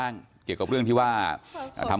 ลองฟังเสียงช่วงนี้ดูค่ะ